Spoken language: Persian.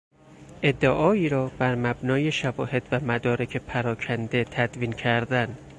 ادعایی را بر مبنای شواهد و مدارک پراکنده تدوین کردن